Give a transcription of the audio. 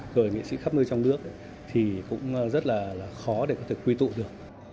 rồi nghệ sĩ khắp nơi trong nước thì cũng rất là khó để có thể quy tụ được